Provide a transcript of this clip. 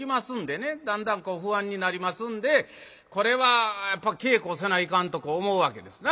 だんだんこう不安になりますんでこれはやっぱ稽古せないかんとこう思うわけですな。